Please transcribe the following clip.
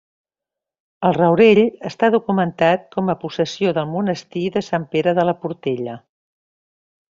El Raurell està documentat com a possessió del monestir de Sant Pere de la Portella.